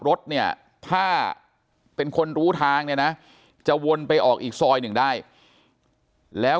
รถเนี่ยถ้าเป็นคนรู้ทางเนี่ยนะจะวนไปออกอีกซอยหนึ่งได้แล้ว